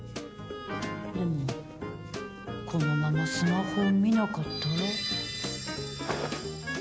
でも、このままスマホを見なかったら？